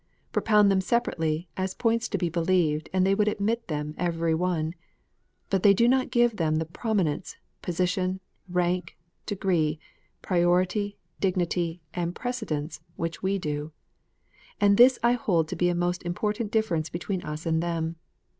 Propound them separately, as points to be believed, and they would admit them every one. But they do not give them the prominence, position, rank, degree, priority, dignity, and precedence Avhich we do. And this I hold to be a most important difference between us and them.